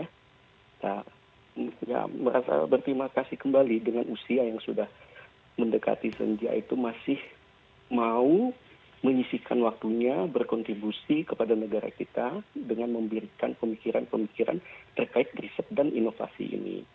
kita merasa berterima kasih kembali dengan usia yang sudah mendekati senja itu masih mau menyisikan waktunya berkontribusi kepada negara kita dengan memberikan pemikiran pemikiran terkait riset dan inovasi ini